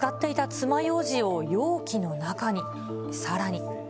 つまようじを容器の中に。